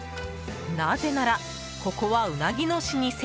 なぜなら、ここはウナギの老舗。